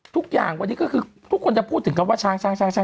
ทุกอย่างวันนี้ก็คือทุกคนจะพูดถึงคำว่าช้างช้าง